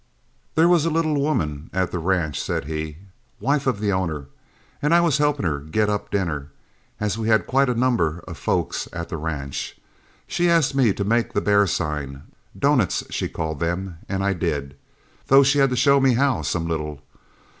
"'There was a little woman at the ranch,' said he, 'wife of the owner, and I was helping her get up dinner, as we had quite a number of folks at the ranch. She asked me to make the bear sign doughnuts, she called them and I did, though she had to show me how some little.